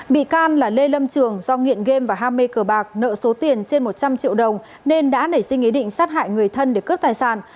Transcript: bị can là lê lâm trường do nghiện game và ham mê cờ bạc nợ số tiền trên một trăm linh triệu đồng nên đã nảy sinh ý định sát hại người thân để cướp tài sản